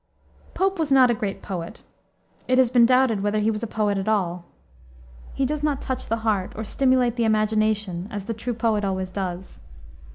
Pope was not a great poet; it has been doubted whether he was a poet at all. He does not touch the heart, or stimulate the imagination, as the true poet always does.